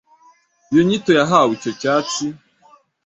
iyo nyito yahawe icyo cyatsi,